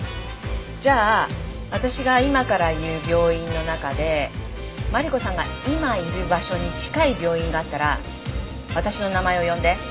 じゃあ私が今から言う病院の中でマリコさんが今いる場所に近い病院があったら私の名前を呼んで。